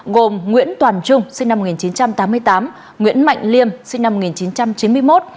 gồm nguyễn toàn trung sinh năm một nghìn chín trăm tám mươi tám nguyễn mạnh liêm sinh năm một nghìn chín trăm chín mươi một